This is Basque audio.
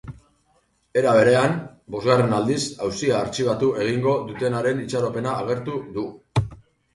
Era berean, bosgarren aldiz auzia artxibatu egingo dutenaren itxaropena agertu du.